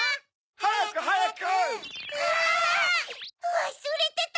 わすれてた！